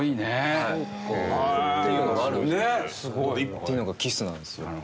っていうのがキスなんですよ。